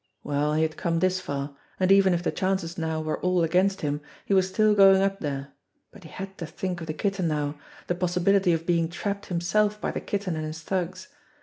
Well, he had come this far, and even if the chances now were all against him, he was still going up there, but he had to think of the Kitten now the possibility of being trapped himself by the Kitten and his thugs.